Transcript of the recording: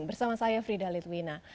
bersama saya frida litwina